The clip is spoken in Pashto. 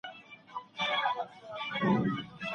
موږ به ډېر اتڼ وړاندي نه کړو.